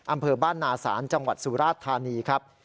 อำเภอบ้านนาศาลจังหวัดสุราชธานีครับ